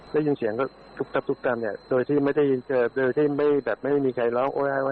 ได้ยินเสียงก็ตุ๊บตับตุ๊บตัมเนี่ยโดยที่ไม่ได้ยินโดยที่ไม่แบบไม่มีใครร้องโอ๊ย